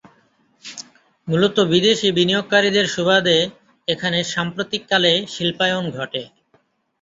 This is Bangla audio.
মূলত বিদেশী বিনিয়োগকারীদের সুবাদে এখানে সাম্প্রতিককালে শিল্পায়ন ঘটে।